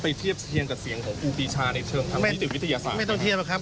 เทียบเคียงกับเสียงของครูปีชาในเชิงทางนิติวิทยาศาสตร์ไม่ต้องเทียบหรอกครับ